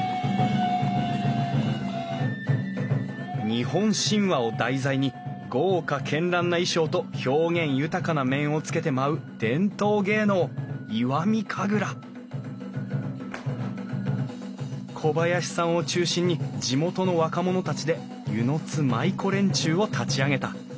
日本神話を題材に豪華絢爛な衣装と表現豊かな面をつけて舞う伝統芸能石見神楽小林さんを中心に地元の若者たちで温泉津舞子連中を立ち上げた。